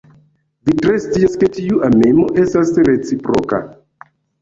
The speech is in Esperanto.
Vi tre scias, ke tiu amemo estas reciproka.